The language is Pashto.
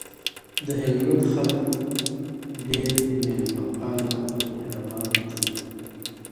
دهلمند خلګ ډیر میلمه پاله او مهربان دي